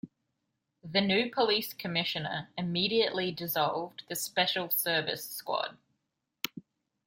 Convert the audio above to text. The new police commissioner immediately dissolved the Special Service Squad.